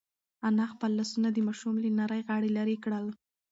انا خپل لاسونه د ماشوم له نري غاړې لرې کړل.